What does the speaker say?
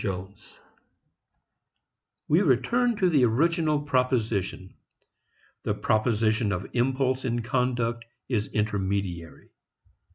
VII We return to the original proposition. The position of impulse in conduct is intermediary.